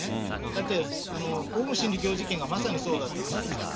だって、オウム真理教事件がまさにそうだったわけですよ。